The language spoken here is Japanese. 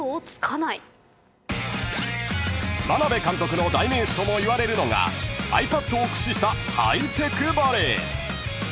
［眞鍋監督の代名詞ともいわれるのがｉＰａｄを駆使したハイテクバレー］